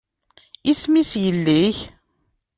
Isem-is yelli-k?